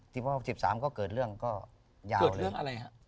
ที่พ่อ๑๓ก็เกิดเรื่องก็ยาวเลยเกิดเรื่องอะไรครับ